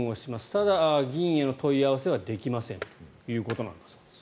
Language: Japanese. ただ、議員への問い合わせはできませんということなんだそうです。